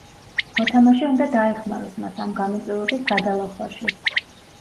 მოთამაშე უნდა დაეხმაროს მას ამ გამოწვევების გადალახვაში.